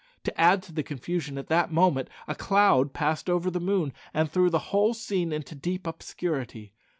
To add to the confusion at that moment, a cloud passed over the moon and threw the whole scene into deep obscurity.